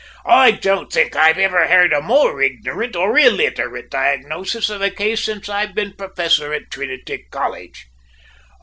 `I don't think I ivver heard a more ignorant or illeterate diagnosis of a case since I've been professor at Trinity College!'